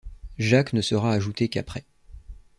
Jacques ne sera ajouté qu'après.